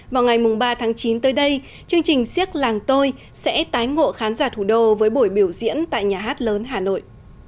vào ngày ba tháng chín tới đây chương trình siếc làng tôi sẽ tái ngộ khán giả thủ đô với buổi biểu diễn tại nhà hát lớn hà nội